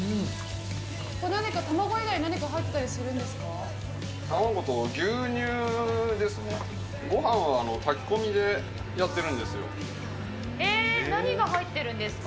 何か卵以外何か入ってたりするんですか？